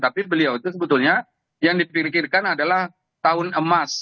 tapi beliau itu sebetulnya yang diperkirakan adalah tahun emas